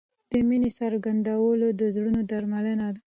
د مینې څرګندول د زړونو درملنه ده.